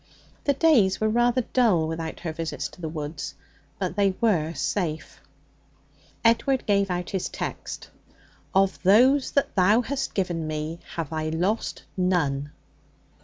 The days were rather dull without her visits to the woods, but they were safe. Edward gave out his text: 'Of those that Thou hast given me have I lost none.'